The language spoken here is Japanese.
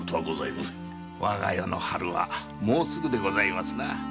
我が世の春はもうすぐでございますな。